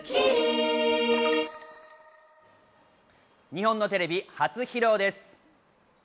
日本のテレビ初披露です。